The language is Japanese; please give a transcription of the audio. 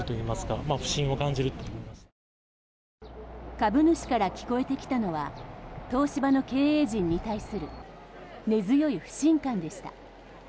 株主から聞こえてきたのは東芝の経営陣に対する根強い不信感でした。